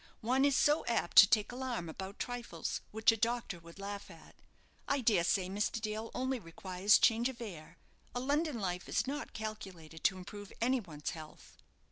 "One is so apt to take alarm about trifles which a doctor would laugh at. I dare say Mr. Dale only requires change of air. A London life is not calculated to improve any one's health."